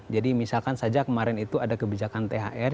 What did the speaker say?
jadi misalkan saja kemarin itu ada kebijakan thr